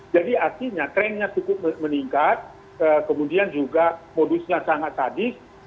jadi artinya trennya cukup meningkat kemudian juga modusnya sangat sadis